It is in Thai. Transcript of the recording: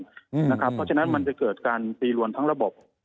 เพราะฉะนั้นมันจะเกิดการตีรวนทั้งระบบ